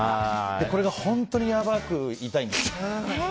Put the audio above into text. これが本当にやばく痛いんです。